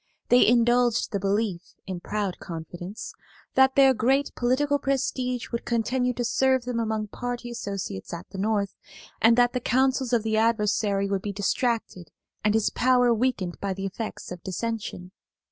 They indulged the belief, in proud confidence, that their great political prestige would continue to serve them among party associates at the North, and that the counsels of the adversary would be distracted and his power weakened by the effects of dissension.